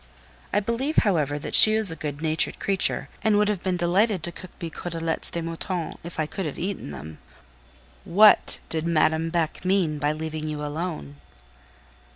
I believe, however, that she is a good natured creature, and would have been delighted to cook me côtelettes de mouton, if I could have eaten them." "What did Madame Beck mean by leaving you alone?"